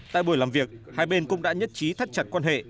tại buổi làm việc hai bên cũng đã nhất trí thắt chặt quan hệ